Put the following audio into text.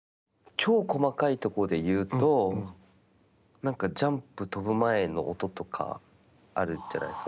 超細かいところで言うと、なんかジャンプ跳ぶ前の音とかあるじゃないですか。